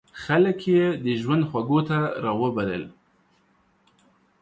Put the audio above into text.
خلک یې د ژوند خوږو ته را وبلل.